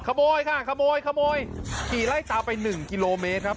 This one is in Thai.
ขโมยค่ะขโมยขโมยขี่ไล่ตามไป๑กิโลเมตรครับ